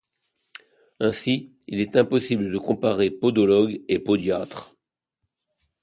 Ainsi il est impossible de comparer podologue et podiatre.